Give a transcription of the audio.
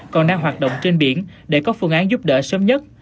còn đang hoạt động trên biển để có phương án giúp đỡ sớm nhất